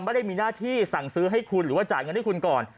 ไม่ได้มีหน้าที่สั่งซื้อให้คุณหรือว่าจ่ายเงินให้คุณก่อน